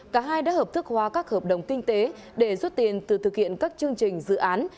cả hai đã hợp thức hóa các hợp đồng kinh tế để rút tiền từ thực hiện các chương trình dự án